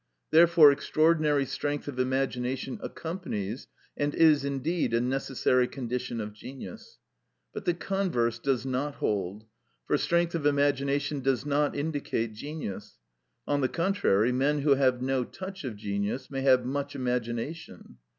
Therefore extraordinary strength of imagination accompanies, and is indeed a necessary condition of genius. But the converse does not hold, for strength of imagination does not indicate genius; on the contrary, men who have no touch of genius may have much imagination.